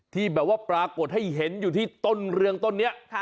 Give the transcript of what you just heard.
ที่แบบว่าปรากฏให้เห็นอยู่ที่ต้นเรืองต้นนี้